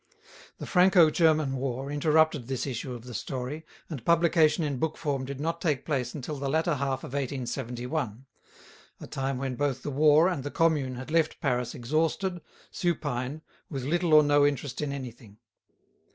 The Franco German war interrupted this issue of the story, and publication in book form did not take place until the latter half of 1871, a time when both the war and the Commune had left Paris exhausted, supine, with little or no interest in anything.